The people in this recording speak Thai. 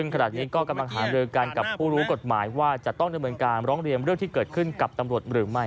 ขณะทีก็ถามเรื่องกันกับผู้รู้กฎหมายเป็นการนำร้องเรียนเรื่องที่เกิดขึ้นกับตำรวจหรือไม่